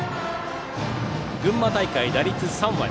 群馬大会打率３割。